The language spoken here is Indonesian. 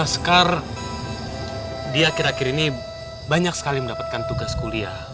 skar di akhir akhir ini banyak sekali mendapatkan tugas kuliah